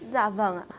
dạ vâng ạ